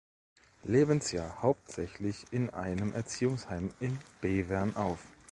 Lebensjahr hauptsächlich in einem Erziehungsheim in Bevern auf.